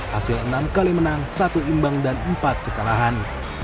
hasil enam kali menang satu imbang dan empat kekalahan